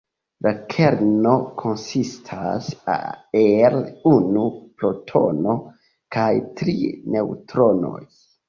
La kerno konsistas el unu protono kaj tri neŭtronoj.